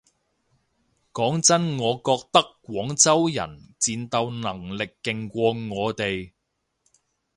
講真我覺得廣州人戰鬥能力勁過我哋